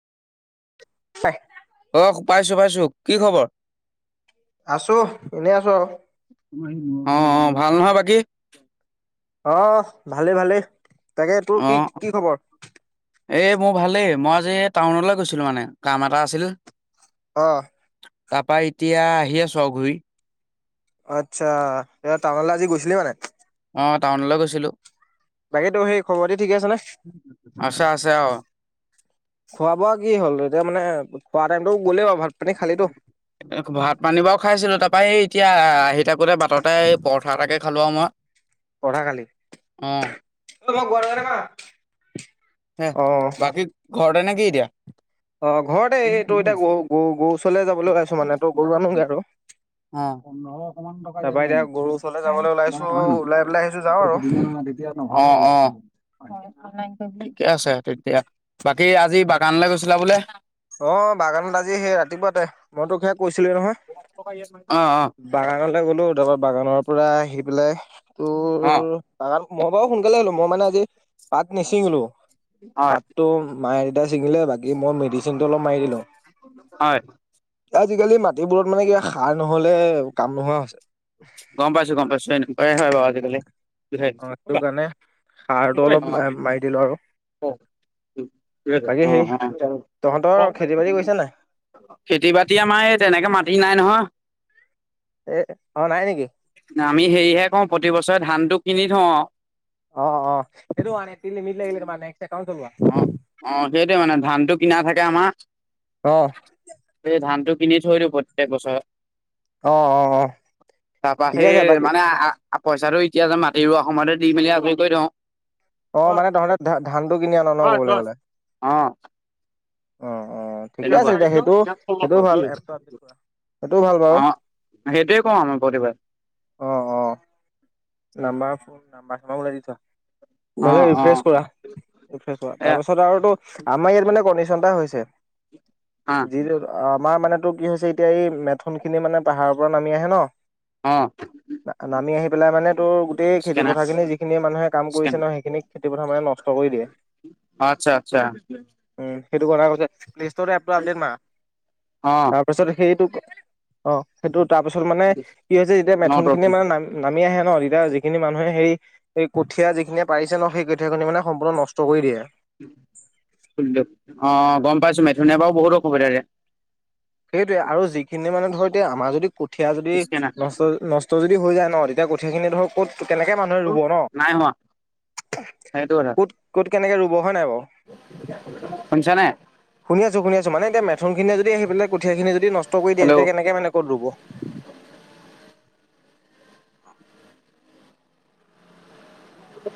চাই অ', পাইছোঁ-পাইছোঁ, কি খবৰ? আছো এনেই আছো আৰু অ অ [unintelligible] ভাল নহয় বাকী? আহ ভালেই ভালেই তাকে তোৰ অ কি কি খবৰ এ মোৰ ভালেই মই যে টাউনলৈ গৈছিলো মানে কাম এটা আছিল। অহ। তাৰপা এতিয়া আহি আছো আও ঘূৰি। আচ্ছা, এ টাউনলৈ আজি গৈছিলি মানে। অঁ টাউনলৈ গৈছিলোঁ। বাকীতো সেই খবৰ দি ঠিকে আছে নে? আছে আছে অ। খোৱা বোৱা কি হ'ল এতিয়া মানে খোৱা টাইমতটো গ'লেই বাৰু ভাল [unintelligible] ভাত- পানী বাৰু খাইছিলো তাৰপা এই এতিয়া আহি থাকোতে বাটতে পৰঠা তাকে খালো আও মই [unintelligible] পঢ়া কালি অ তম ঘৰাৰ কা [unintelligible] [inaudible] হ বাকী ঘৰতেএ নে কি এতিয়া [unintelligible] অ ঘৰতে এই তোৰ এতিয়া গ- গৰু -গৰু ওচৰলৈ যাবলৈ গাইছো মানে তোৰ গৰু আনোগে আৰু। পোন্ধৰশমান টকা তাৰপা ইয়াত এতিয়া গৰু ওচৰলৈ যাবলৈ ওলাইছো মাৰিলো ওলাই পেলাই আহিছো যাওঁ আকৌ আৰু কেইদিন [unintelligible] এয়া নহয় অ অ। ঠিকে আছে, তেতিয়া বাকী আজি বাগানলৈ গৈছিলা বোলে? অ বাগানত আজি সেই ৰাতিপুৱাতে মই তো খ [unintelligible] কৈছিলোৱে অ অ নহয় বাগানলৈকে গ'লো তাৰপৰা বাগানৰ পৰা আহি পেলাই [unintelligible] তোৰ অ ব মই বাৰু সোনকালে হলো মই মানে আজি পাত নিচিঙলো [unintelligible] হয় পাতটো মায়ে দেতাই ছিঙিলে বাকী মই মেডিচিনটো অলপ মাৰি দিলো [unintelligible] হয় আজিকালি মাটিবোৰত মানে কিবা সাৰ নহলে কাম নোহোৱা হৈছে [unintelligible] গম পাইছো গম পাইছো এনেকোৱাই হয় বাৰু আজিকালি। আহ সেইটো কাৰণে সাৰটো অলপ মাৰি দিলো আৰু [unintelligible] বাকী অ সেই তহঁতৰ অ। খেতি বাতি কৰিছে নাই খেতি -বাতি আমাৰ এই তেনেকে মাটি নাই নহয়। এ [unintelligible] আমি হেৰিহে কওঁ প্ৰতিবছৰে ধানটো কিনি থওঁ। অ অ সেইটো মানে [unintelligible] একাউণ্ট চলোৱা। অ অ সেইটোৱে মানে ধানটো কিনা থাকে আমাৰ, অ সেই ধানটো কিনি থৈ দিওঁ প্ৰত্যেক বছৰত অ অ অ তাৰ পৰা ঠিকে সেই আছে বাকী মানে [unintelligible] পইচাটো এতিয়া যে মাটি ৰোৱা সময়তে দি মেলি আজৰি কৈ থওঁ। অ মানে তহঁতে ধ ধানটো কিনি আন ন কবলৈ গলে [unintelligible] অ। অ অ ঠিকে তেনেকুৱা আছে অ'। তেতিয়া সেইটো সেইটো ভাল এপ কৰা সেইটো ভাল বাৰু। সেইটোয়ে কওঁ আমাৰ প্ৰতিবাৰে [unintelligible] অ অ নাম্বাৰ ফোন নাম্বাৰ চাৰ ওলাই দি থোৱা। নহলে অ', অ', ৰিফ্ৰেছ কৰা সেইটো এ তাৰপিছত আৰু আমাৰ ইয়াত মানে কণ্ডিচন এটা হৈছে [unintelligible] অ', যি আমাৰ মানেটো কি হৈছে এতিয়া এই মেথোন খিনি মানে পাহাৰৰ পৰা নামি আহে অ'। ন নামি আহি পেলাই মানে তোৰ গোটেই স্কেনাৰ খেতিপথাৰখিনি যিখিনি মানুহে কাম কৰিছে স্কেনাৰ ন সেইখিনিক খেতিপথাৰ মানুহে নষ্ট কৰি দিয়ে। আচ্ছা আচ্ছা উম সেইটো কথা প্লেষ্টৰত আপডেট মাৰা, অ', তাৰ পিছত সেইটো অ সেইটো তাৰপিছত মানে কি হৈছে যেতিয়া মেথোন খিনি ন মানে নাম নামি আহে ন [unintelligible] এতিয়া যিখিনি মানুহে হেৰি এই কঠীয়া যিখিনি পাৰিছে ন সেই কঠীয়া খিনি মানে সম্পূৰ্ন ন দিয়ক অ গম পাইছো মে জুনে বাও বহুত অসুবিধা ইয়াত। সেইটোয়ে, আৰু যিখিনি মানে ধৰ এতিয়া আমাৰ যদি কঠিয় যদি পিছকে নাই নষ্ট নষ্ট যদি য হৈ যায় ন তেতিয়া কঠীয়াখিনি ধৰক ক'ত তেনেকে মানুহে ৰুব ন? নাই হোৱা সেইটো কথা ক'ত? কত? কেনেকে ৰুব হয় নাই বাও? শুনিছনে? শুনি আছো শুনি আছো। মানে এতিয়া মেথোনখিনিয় য আহি পেলাই কঠীয়াখিনি যদি নষ্ট কৰি দিয়ে হেল্ল' তেতিয়া কেনেকে মানে ক'ত ৰুব! [inaudible] অ।